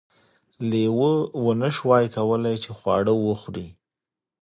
لیوه ونشوای کولی چې خواړه وخوري.